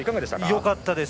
よかったです。